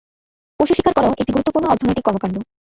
পশু শিকার করাও একটি গুরুত্বপূর্ণ অর্থনৈতিক কর্মকাণ্ড।